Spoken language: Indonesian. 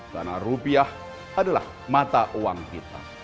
karena rupiah adalah mata uang kita